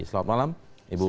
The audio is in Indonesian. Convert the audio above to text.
selamat malam ibu ula